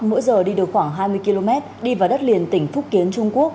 mỗi giờ đi được khoảng hai mươi km đi vào đất liền tỉnh phúc kiến trung quốc